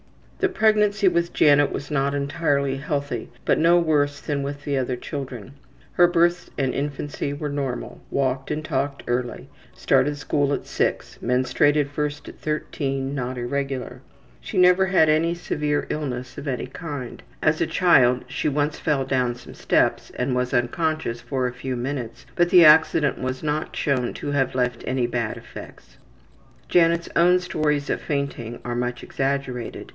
The pregnancy with Janet was not entirely healthy, but no worse than with the other children. Her birth and infancy were normal. Walked and talked early. Started to school at 6. Menstruated first at 13; not irregular. She never had any severe illnesses of any kind. As a child she once fell down some steps and was unconscious for a few minutes, but the accident was not known to have left any bad effects. Janet's own stories of fainting are much exaggerated.